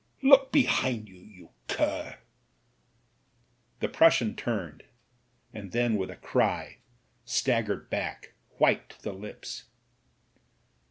"Look behind you, you cur." RETRIBUTION 179 The Prussian turned, and then with a cry staggered back, white to the lips.